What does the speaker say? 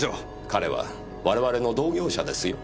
彼は我々の同業者ですよ。